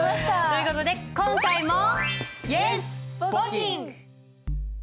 という事で今回も。